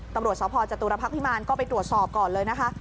ตำรวจสพจตุรพักษ์พิมารก็ไปตรวจสอบก่อนเลยนะคะ